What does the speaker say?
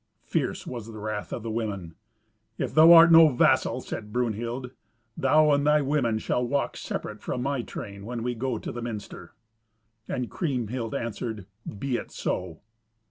Fierce was the wrath of the women. "If thou art no vassal," said Brunhild, "thou and thy women shall walk separate from my train when we go to the minster." And Kriemhild answered, "Be it so."